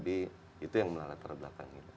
lebih lebih itu yang melalui latar belakang